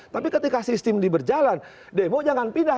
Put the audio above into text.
tapi ketika sistem diberjalan demo jangan pindah